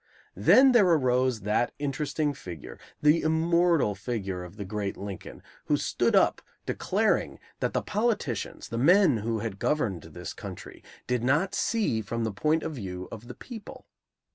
Then there arose that interesting figure, the immortal figure of the great Lincoln, who stood up declaring that the politicians, the men who had governed this country, did not see from the point of view of the people.